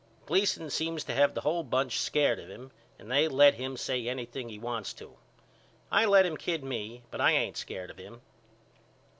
Gleason seems to have the whole bunch scared of him and they let him say anything he wants to. I let him kid me to but I ain't scared of him.